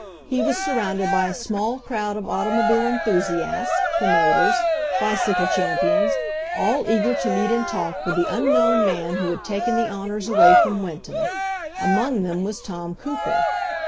He was surrounded by a small crowd of auto mobile enthusiasts, promoters, bicycle champions, all eager to meet and talk with the unknown man who had taken the honors away from Winton. Among them was Tom Cooper.